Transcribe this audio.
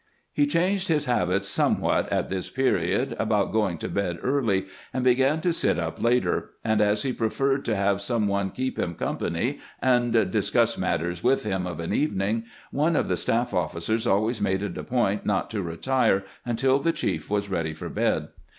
He changed his habits somewhat at this period about going to bed early, and began to sit up later ; and as he preferred to have some one keep him company and dis cuss matters with him of an evening, one of the staff officers always made it a point not to retire until the chief was ready for bed.